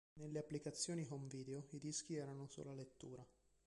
Nelle applicazioni home video i dischi erano sola lettura.